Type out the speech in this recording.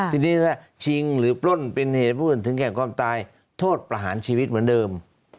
ทีนี้ถ้าชิงหรือปล้นเป็นเหตุผู้อื่นถึงแก่ความตายโทษประหารชีวิตเหมือนเดิม